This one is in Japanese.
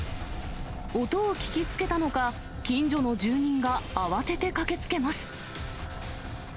音を聞きつけたのか、近所の住民が慌てて駆けつけます。